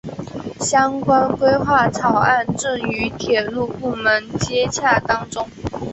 相关规划草案正与铁路部门接洽当中。